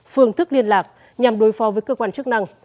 phương thức liên lạc nhằm đối phó với cơ quan chức năng